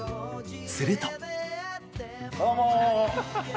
すると。